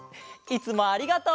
どうもありがとう！